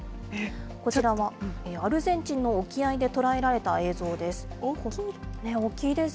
こちらはアルゼンチンの沖合で捉えられた映像です。